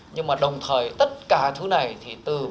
nhưng mà đồng thời tất cả thứ này thì từ